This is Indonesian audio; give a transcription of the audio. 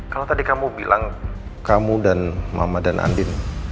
kalau tadi kamu bilang kamu dan mama dan andin